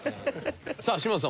さあ嶋佐さん